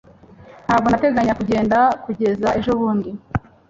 ntabwo nteganya kugenda kugeza ejobundi